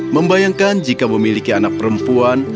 membayangkan jika memiliki anak perempuan